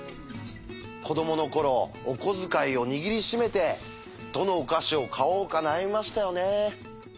子どもの頃お小遣いを握り締めてどのお菓子を買おうか悩みましたよね。